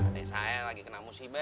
aduh saya lagi kena musih be